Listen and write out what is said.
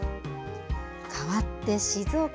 かわって静岡。